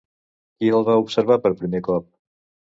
Qui el va observar per primer cop?